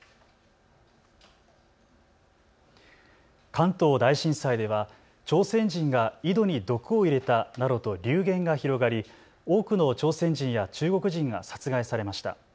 関東大震災では朝鮮人が井戸に毒を入れたなどと流言が広がり多くの朝鮮人や中国人が殺害されました。